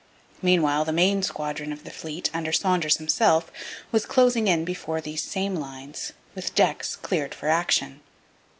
Meanwhile, the main squadron of the fleet, under Saunders himself, was closing in before these same lines, with decks cleared for action.